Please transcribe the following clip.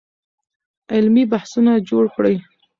علمي بحثونه جوړ کړئ.